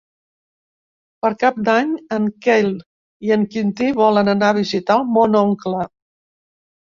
Per Cap d'Any en Quel i en Quintí volen anar a visitar mon oncle.